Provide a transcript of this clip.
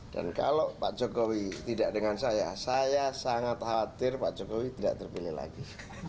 dan kalau pak jokowi tidak dengan saya saya sangat khawatir pak jokowi tidak terpilih lagi